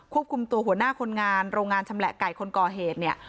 คุมตัวหัวหน้าคนงานโรงงานชำแหละไก่คนก่อเหตุเนี่ย